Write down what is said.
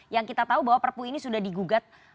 yang kita tahu bahwa perpu ini sudah digugat